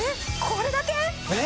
これだけ？ね？